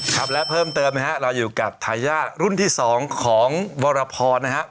ครับและเพิ่มเติมนะฮะเราอยู่กับทายาทรุ่นที่๒ของวรพรนะฮะ